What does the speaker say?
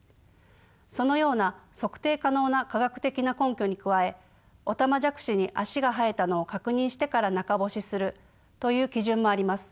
そのような測定可能な科学的な根拠に加えオタマジャクシに足が生えたのを確認してから中干しするという基準もあります。